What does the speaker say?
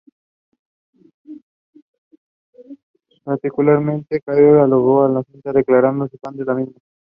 Particularmente Kael alabó la cinta, declarándose fan de la misma.